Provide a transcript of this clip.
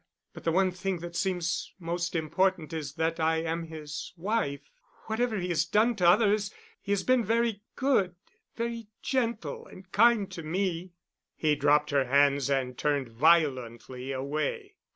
But the one thing that seems most important is that I am his wife. Whatever he has done to others, he has been very good, very gentle and kind to me." He dropped her hands and turned violently away.